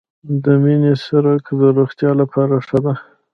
د مڼې سرکه د روغتیا لپاره ښه ده.